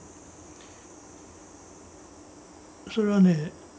それはね